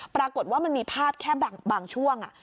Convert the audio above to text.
ปรากฏว่ามันมีภาพแค่บางช่วง